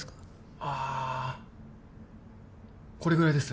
ああこれぐらいです